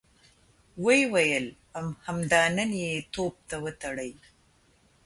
ويې ويل: همدا نن يې توپ ته وتړئ!